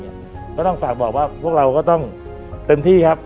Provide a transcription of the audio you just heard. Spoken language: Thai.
ก็ต้องฝากบอกว่าพวกเราก็ต้องเต็มที่ครับ